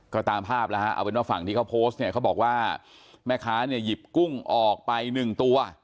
ก็ตามภาพแล้วฮะเอาเป็นว่าฝั่งที่เขาโพสต์เนี่ยเขาบอกว่าแม่ค้าเนี่ยหยิบกุ้งออกไปหนึ่งตัว